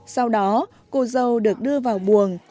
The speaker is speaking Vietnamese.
sau đó cô dâu được đưa vào buồng